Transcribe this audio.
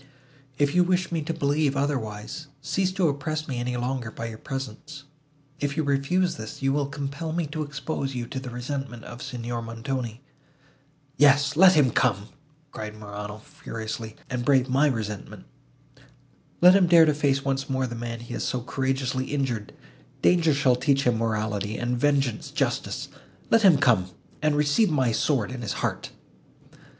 If you wish me to believe otherwise, cease to oppress me any longer by your presence. If you refuse this, you will compel me to expose you to the resentment of Signor Montoni." "Yes, let him come," cried Morano furiously, "and brave my resentment! Let him dare to face once more the man he has so courageously injured; danger shall teach him morality, and vengeance justice—let him come, and receive my sword in his heart!"